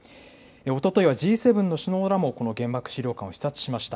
おとといはＧ７の首脳らもこの原爆資料館を視察しました。